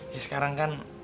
ya sekarang kan